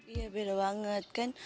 iya beda banget kan